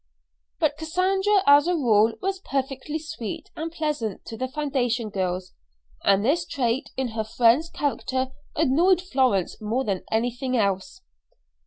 But Cassandra as a rule was perfectly sweet and pleasant to the foundation girls, and this trait in her friend's character annoyed Florence more than anything else.